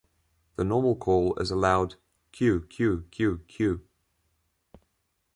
The normal call is a loud "kew-kew-kew-kew".